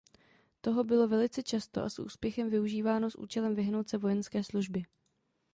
Toho bylo velice často a s úspěchem užíváno s účelem vyhnout se vojenské službě.